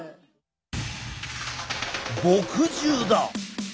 墨汁だ！